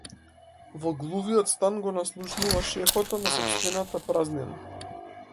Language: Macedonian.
Во глувиот стан го наслушнуваш ехото на сопствената празнина.